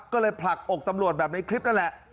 ก็เลยผลักอกตำรวจแบบในคลิปนั่นแหละ